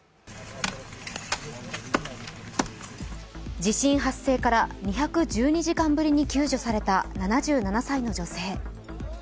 地震発生から２１２時間ぶりに救助された７７歳の女性。